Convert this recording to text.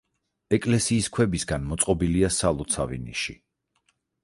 ეკლესიის ქვებისაგან მოწყობილია სალოცავი ნიში.